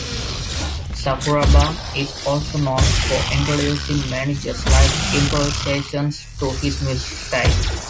Sakuraba is also known for introducing many jazz-like improvisations to his music style.